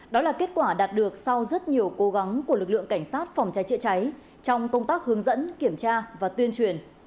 đó là kết quả đạt được sau rất nhiều cố gắng của lực lượng cảnh sát phòng cháy chữa cháy trong công tác hướng dẫn kiểm tra và tuyên truyền